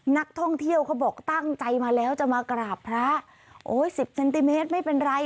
นักท่องเที่ยวเขาบอกตั้งใจมาแล้วจะมากราบพระโอ้ยสิบเซนติเมตรไม่เป็นไร